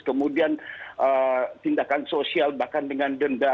kemudian tindakan sosial bahkan dengan denda